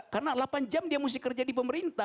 karena delapan jam dia mesti kerja di pemerintah